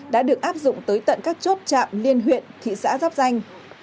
đã được áp dụng tới tận các chốt trạm liên huyện thị xã giáp danh